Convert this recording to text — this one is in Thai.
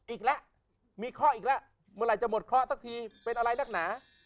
อีกแล้วมีข้ออีกแล้วเมื่อไหร่จะหมดข้อสักทีเป็นอะไรนักหนา